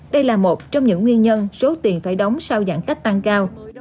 đây là một trong những nguyên nhân số tiền phải đóng sau giãn cách tăng cao